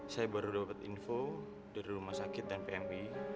saya baru dapat info dari rumah sakit dan pmi